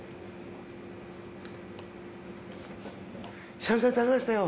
久々に食べましたよ。